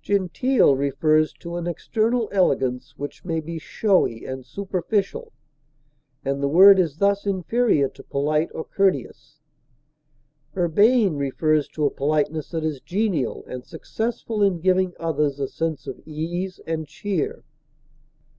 Genteel refers to an external elegance, which may be showy and superficial, and the word is thus inferior to polite or courteous. Urbane refers to a politeness that is genial and successful in giving others a sense of ease and cheer.